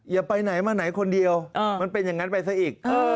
อย่าไปไหนมาไหนคนเดียวมันเป็นอย่างนั้นไปซะอีก